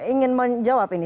ingin menjawab ini